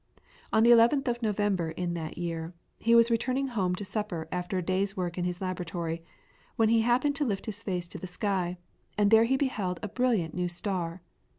On the 11th of November in that year, he was returning home to supper after a day's work in his laboratory, when he happened to lift his face to the sky, and there he beheld a brilliant new star.